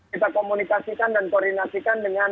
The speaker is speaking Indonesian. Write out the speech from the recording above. kita komunikasikan dan koordinasikan dengan